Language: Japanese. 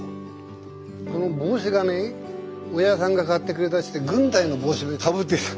この帽子がねおやじさんが買ってくれたって軍隊の帽子かぶってた。